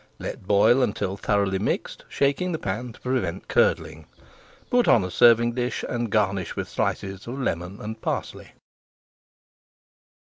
Let boil until thoroughly mixed, shaking the pan to prevent curdling. Put on a serving dish, and garnish with slices of lemon and parsley.